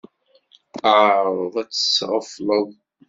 Eɛṛeḍ ad t-tesɣefleḍ.